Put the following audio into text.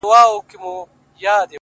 گراني شاعري زه هم داسي يمه”